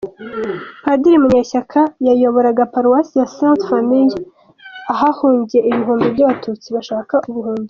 Padiri Munyeshyaka yayoboraga Paruwasi ya Sainte Famille, ahahungiye ibihumbi by’Abatutsi bashaka ubuhungiro.